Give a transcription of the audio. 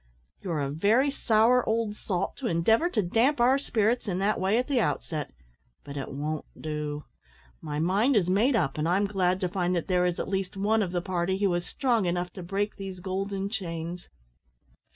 "You're a very sour old salt to endeavour to damp our spirits in that way at the outset, but it won't do; my mind is made up, and I'm glad to find that there is at least one of the party who is strong enough to break these golden chains."